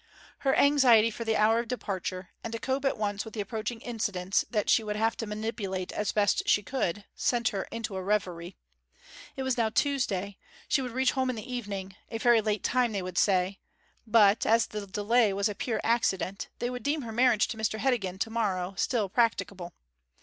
Her anxiety for the hour of departure, and to cope at once with the approaching incidents that she would have to manipulate as best she could, sent her into a reverie. It was now Tuesday; she would reach home in the evening a very late time they would say; but, as the delay was a pure accident, they would deem her marriage to Mr Heddegan tomorrow still practicable.